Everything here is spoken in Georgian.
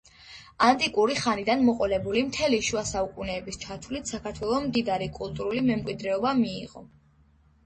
ანტიკური ხანიდან მოყოლებული, მთელი შუა საუკუნეების ჩათვლით, საქართველომ მდიდარი კულტურული მემკვიდრეობა მიიღო.